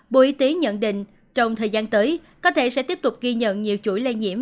bộ y tế nhận định trong thời gian tới có thể sẽ tiếp tục ghi nhận nhiều chuỗi lây nhiễm